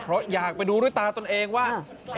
เพราะอยากไปดูด้วยตาตนเองว่า